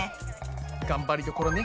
頑張りどころね。